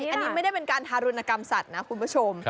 อันนี้ไม่ได้เป็นการทารุณกรรมสัตว์นะคุณผู้ชม